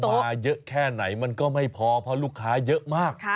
มาเยอะแค่ไหนมันก็ไม่พอเพราะลูกค้าเยอะมาก